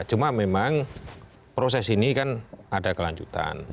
cuma memang proses ini kan ada kelanjutan